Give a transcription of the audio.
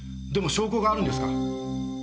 でも証拠があるんですか？